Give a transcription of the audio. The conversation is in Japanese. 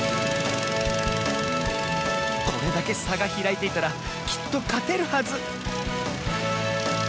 これだけさがひらいていたらきっとかてるはず